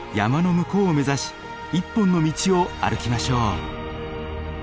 向こうを目指し一本の道を歩きましょう。